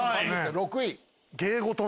６位。